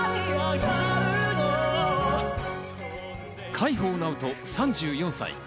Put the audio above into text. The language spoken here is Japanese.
海宝直人、３４歳。